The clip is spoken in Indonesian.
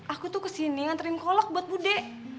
aku tuh kesini ngantriin kolak buat bu de